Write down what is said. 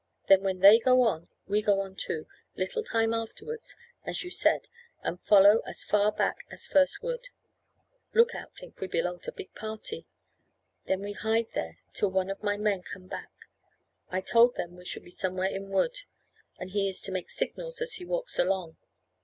Then when they go on, we go on too, little time afterwards, as you said, and follow as far as first wood; look out think we belong to big party; then we hide there till one of my men come back. I told them we should be somewhere in wood, and he is to make signals as he walks along.